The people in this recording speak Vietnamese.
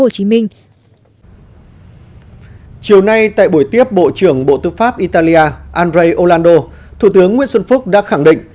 chiều nay tại buổi tiếp bộ trưởng bộ tư pháp italia andrei olanddo thủ tướng nguyễn xuân phúc đã khẳng định